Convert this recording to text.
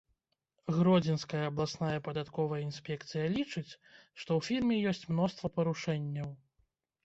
Гродзенская абласная падатковая інспекцыя лічыць, што ў фірме ёсць мноства парушэнняў.